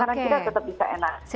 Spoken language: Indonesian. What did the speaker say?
karena kita tetap bisa enak